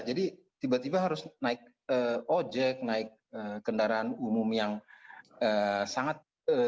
jadi tiba tiba harus naik ojek naik kendaraan umum yang sangat